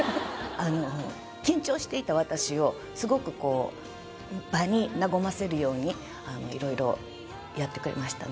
あの緊張していた私をすごくこう場に和ませるようにいろいろやってくれましたね。